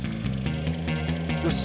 よし！